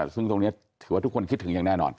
ซึ่งตรงนี้ถือว่าทุกคนคิดถึงอย่างแน่นอน